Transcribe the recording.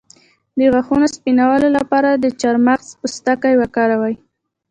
د غاښونو سپینولو لپاره د چارمغز پوستکی وکاروئ